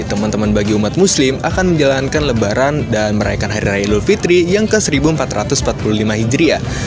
teman teman bagi umat muslim akan menjalankan lebaran dan merayakan hari raya idul fitri yang ke seribu empat ratus empat puluh lima hijriah